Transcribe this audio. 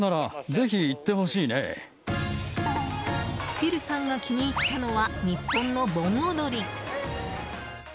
フィルさんが気に入ったのは日本の盆踊り。